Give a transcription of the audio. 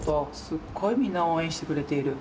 すっごくみんな応援してくれている。